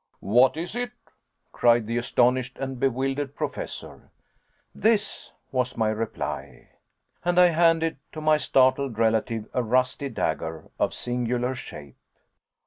"What is it?" cried the astonished and bewildered Professor. "This," was my reply. And I handed to my startled relative a rusty dagger, of singular shape.